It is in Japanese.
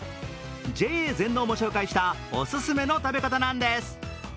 ＪＡ全農も紹介したオススメの食べ方なんです。